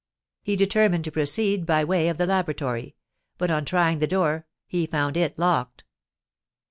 He determined to proceed by way of the laboratory; but, on trying the door, he found it locked.